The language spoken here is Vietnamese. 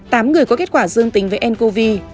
tám người có kết quả dương tính với ncov